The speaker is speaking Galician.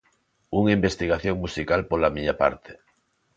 Unha investigación musical pola miña parte.